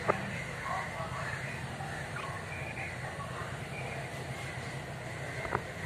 তিনি ডাকিয়া উঠিলেন, প্রহরী।